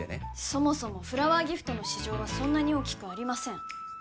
そもそもフラワーギフトの市場はそんなに大きくありません